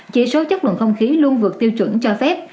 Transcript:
chỉ số chất lượng không khí luôn vượt tiêu chuẩn cho phép